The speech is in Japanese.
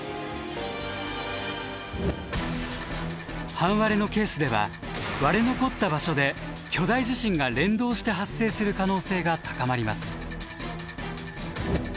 半割れのケースでは割れ残った場所で巨大地震が連動して発生する可能性が高まります。